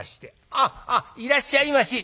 「あっあっいらっしゃいまし。